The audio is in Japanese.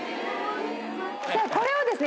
さあこれをですね